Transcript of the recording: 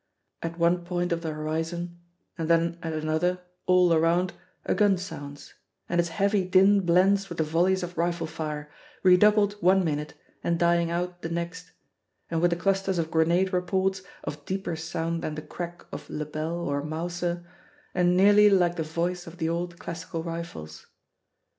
At one point of the horizon and then at another all around, a gun sounds, and its heavy din blends with the volleys of rifle fire, redoubled one minute and dying out the next, and with the clusters of grenade reports, of deeper sound than the crack of Lebel or Mauser, and nearly like the voice of the old classical rifles.